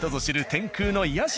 天空の癒やし